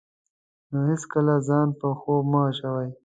نو هېڅکله ځان په خوب مه اچوئ.